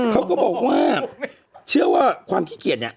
เขาก็บอกว่าเชื่อว่าความขี้เกียจเนี่ย